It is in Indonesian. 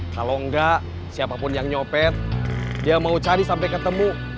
kalau enggak siapapun yang nyopet dia mau cari sampai ketemu